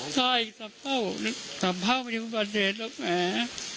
ใช่สับเผ่าสับเผ่าไม่ได้อุบัติเหตุหรอกแหม